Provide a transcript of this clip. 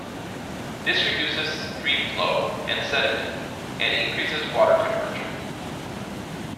This reduces streamflow and sediment and increases water temperature.